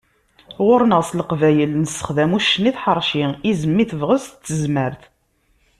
Ɣur-neγ s Leqbayel, nessexdam uccen i tḥerci, izem i tebγest d tezmert.